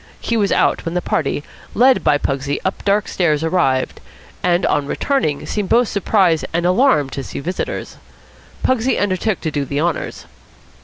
He was out when the party, led by Pugsy up dark stairs, arrived; and, on returning, seemed both surprised and alarmed to see visitors. Pugsy undertook to do the honours.